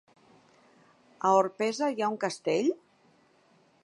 A Orpesa hi ha un castell?